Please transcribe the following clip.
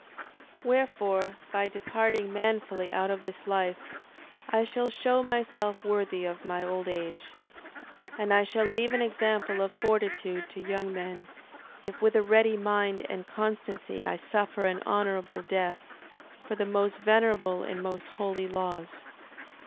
6:27. Wherefore, by departing manfully out of this life, I shall shew myself worthy of my old age: 6:28. And I shall leave an example of fortitude to young men, if with a ready mind and constancy I suffer an honourable death, for the most venerable and most holy laws.